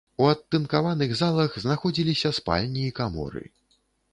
У адтынкаваных залах знаходзіліся спальні і каморы.